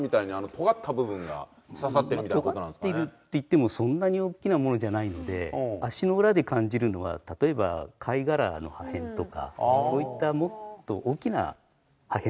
とがってるっていってもそんなに大きなものじゃないんで足の裏で感じるのは例えば貝殻の破片とかそういったもっと大きな破片かもしれないですね。